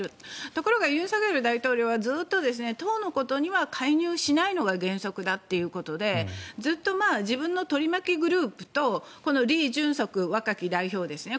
ところが尹錫悦大統領はずっと党のことには介入しないのが原則だということでずっと自分の取り巻きグループとイ・ジュンソク若き代表ですね。